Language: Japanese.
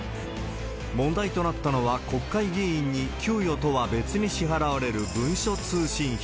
問題となったのは、国会議員に給与とは別に支払われる文書通信費。